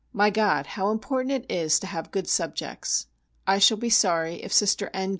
My God! how important it is to have good subjects! I shall be sorry if Sister N.